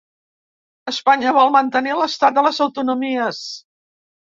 Espanya vol mantenir l'estat de les autonomies.